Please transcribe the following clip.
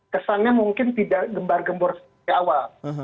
kesannya mungkin tidak gembar gembur dari awal